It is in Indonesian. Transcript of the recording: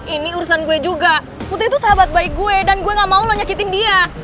ini urusan gue juga putri tuh sahabat baik gue dan gue nggak mau lo nyakitin dia